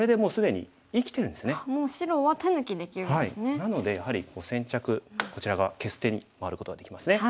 なのでやはり先着こちら側消す手に回ることができますね。